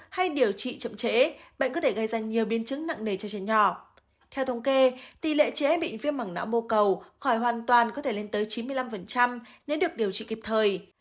hay điều trị chậm trễ bệnh có thể gây ra nhiều biến chứng nặng nề cho trẻ nhỏ theo thống kê tỷ lệ trẻ bị viêm mảng não mô cầu khỏi hoàn toàn có thể lên tới chín mươi năm nếu được điều trị kịp thời